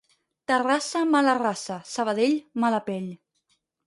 Terrassa, mala raça; Sabadell, mala pell.